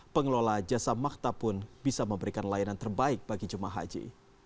pengelola jasa maktab pun bisa memberikan layanan terbaik bagi jemaah haji